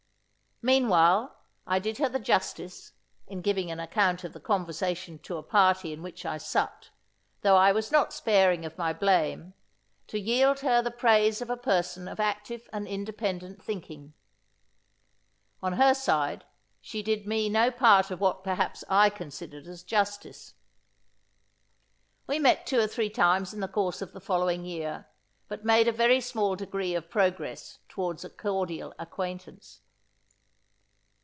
Meanwhile, I did her the justice, in giving an account of the conversation to a party in which I supped, though I was not sparing of my blame, to yield her the praise of a person of active and independent thinking. On her side, she did me no part of what perhaps I considered as justice. We met two or three times in the course of the following year, but made a very small degree of progress towards a cordial acquaintance.